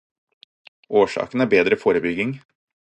Årsaken er bedre forebygging.